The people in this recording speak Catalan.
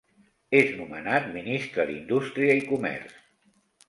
És nomenat Ministre d'Indústria i Comerç.